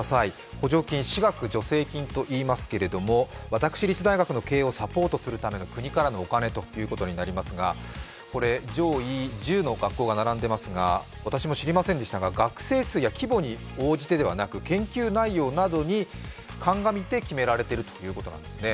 補助金、私学助成金といいますけど私立大学の経営をサポートするための国からのお金になりますがこれ、上位１０の学校が並んでいますが私も知りませんでしたが学生数や規模に応じてではなく研究内容などにかんがみて決められているということなんですね。